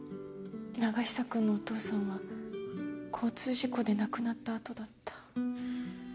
永久くんのお父さんは交通事故で亡くなったあとだった。